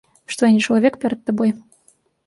Што я не чалавек перад табой?